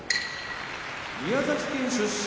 宮崎県出身